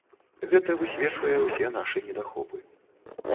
Гэта высвечвае ўсе нашы недахопы.